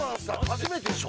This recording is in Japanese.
初めてでしょ？